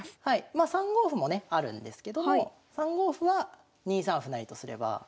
まあ３五歩もねあるんですけども３五歩は２三歩成とすれば。